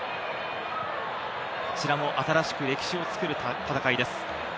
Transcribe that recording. こちらも新しく歴史を作る戦いです。